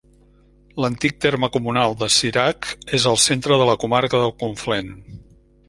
L'antic terme comunal de Cirac és al centre de la comarca del Conflent.